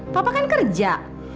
papa kan kerja